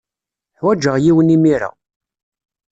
Ḥwajeɣ yiwen imir-a.